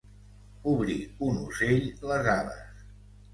Obrir, un ocell, les ales.